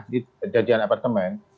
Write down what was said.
jadi perjanjian apartemen